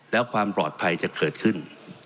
แล้วความปลอดภัยจะเกิดขึ้น